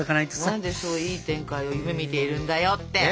何でそういい展開を夢みているんだよって！